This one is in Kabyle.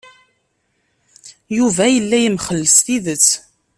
Yuba yella yemxell s tidet.